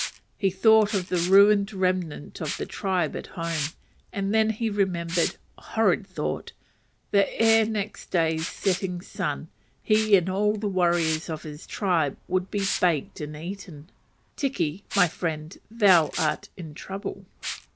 He thought of the ruined remnant of the tribe at home, and then he remembered horrid thought that ere next day's setting sun, he and all the warriors of his tribe would be baked and eaten. (Tiki, my friend, thou art in trouble.)